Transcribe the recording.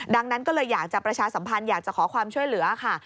ดังนั้นก็เลยอยากจะประชาสัมพันธ์อยากจะขอความช่วยเหลือค่ะ